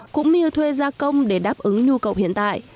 cũng như thuê gia công để đáp ứng nhu cầu hiện tại